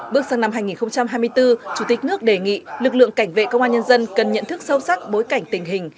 bước sang năm hai nghìn hai mươi bốn chủ tịch nước đề nghị lực lượng cảnh vệ công an nhân dân cần nhận thức sâu sắc bối cảnh tình hình